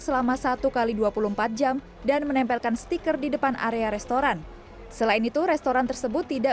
selama satu x dua puluh empat jam dan menempelkan stiker di depan area restoran selain itu restoran tersebut tidak